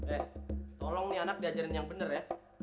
eh tolong nih anak diajarin yang benar ya